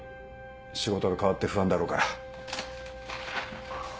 仕事が変わって不安だろうから。